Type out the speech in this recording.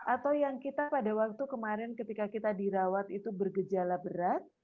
atau yang kita pada waktu kemarin ketika kita dirawat itu bergejala berat